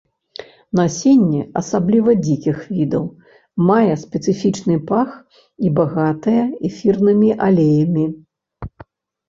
Насенне, асабліва дзікіх відаў, мае спецыфічны пах і багатае эфірнымі алеямі.